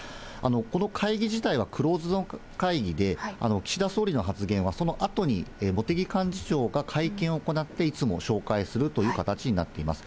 この会議自体はクローズド会議で、岸田総理の発言は、そのあとに茂木幹事長が会見を行って、いつも紹介するという形になっています。